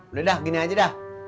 udah dah gini aja dah